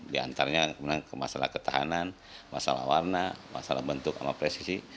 di antaranya masalah ketahanan masalah warna masalah bentuk sama presisi